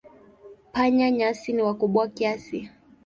Panya-nyasi ni wakubwa kiasi.